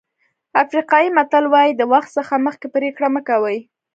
افریقایي متل وایي د وخت څخه مخکې پرېکړه مه کوئ.